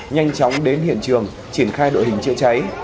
nhanh chóng đến hiện trường triển khai đội hình chữa cháy